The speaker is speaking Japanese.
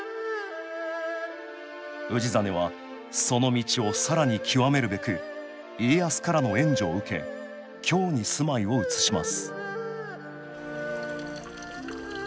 氏真はその道を更に究めるべく家康からの援助を受け京に住まいを移します